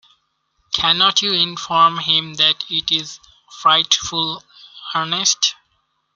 Cannot you inform him that it is frightful earnest?